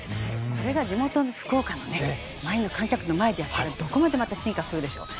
これが地元・福岡の満員の観客の前でやったらどこまで進化するでしょう。